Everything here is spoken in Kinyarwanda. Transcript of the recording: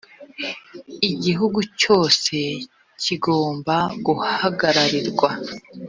igihugu cyose kigomba guhagararirwa.